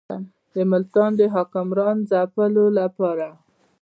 د ملتان د حکمران ځپلو لپاره.